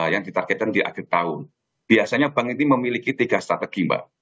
yang ditargetkan di akhir tahun biasanya bank ini memiliki tiga strategi mbak